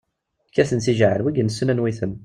Kkaten tijɛal, wigi nessen anwi-ten.